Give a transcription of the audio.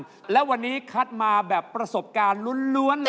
เพราะว่ารายการหาคู่ของเราเป็นรายการแรกนะครับ